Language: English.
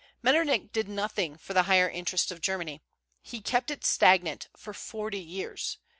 Metternich did nothing for the higher interests of Germany. He kept it stagnant for forty years.